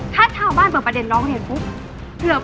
ถ้าชาวบ้านเปิดประเด็นร้องเรียนปุ๊บ